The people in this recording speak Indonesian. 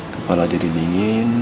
kepala jadi dingin